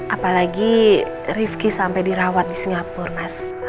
apalagi rifki sampai dirawat di singapura mas